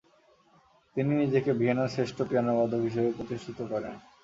তিনি নিজেকে ভিয়েনার শ্রেষ্ঠ পিয়ানোবাদক হিসেবে প্রতিষ্ঠিত করেন।